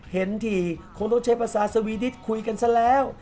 เห็นที่คงต้องใช้ภาษาสวีดิตคุยกันซะแล้ว